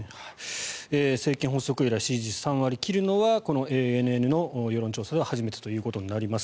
政権発足以来支持率３割を切るのはＡＮＮの世論調査では初めてとなります。